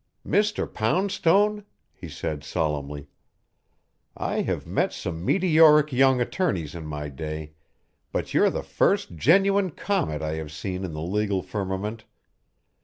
"Mr. Poundstone," he said solemnly, "I have met some meteoric young attorneys in my day, but you're the first genuine comet I have seen in the legal firmament.